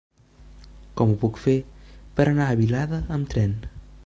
Com ho puc fer per anar a Vilada amb tren?